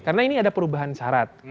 karena ini ada perubahan syarat